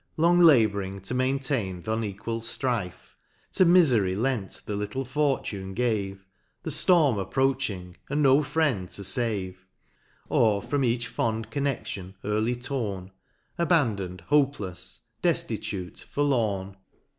Long labouring to maintain th' unequal ftrife. To mifery lent the little fortune gave. The ftorni approaching, and no friend to fave ; Or from each fond connedion early torn, Abandon'd, hopelefs, deftitute, forlorn; To MOUNT PLEASANT.